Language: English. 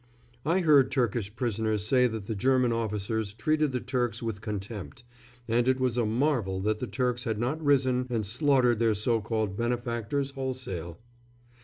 I heard Turkish prisoners say that the German officers treated the Turks with contempt, and it was a marvel that the Turks had not risen and slaughtered their so called benefactors wholesale.